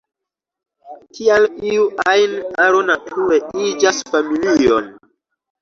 Tial iu ajn aro nature iĝas familion.